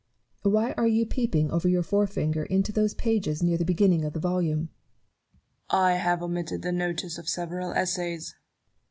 Why are you peeping over your forefinger into those pages near the beginning of the volume ? Newton. I have omitted the notice of several Essays.